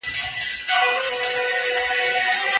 دوی د پېښو لاملونه پلټل.